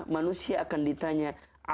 manusia akan ditanya